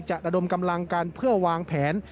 ระดมกำลังกันเพื่อวางแผน